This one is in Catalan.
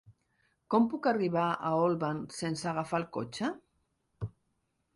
Com puc arribar a Olvan sense agafar el cotxe?